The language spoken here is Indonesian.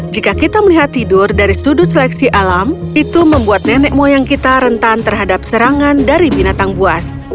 jika kita melihat tidur dari sudut seleksi alam itu membuat nenek moyang kita rentan terhadap serangan dari binatang buas